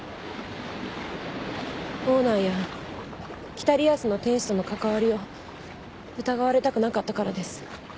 オーナーや『北リアスの天使』との関わりを疑われたくなかったからです。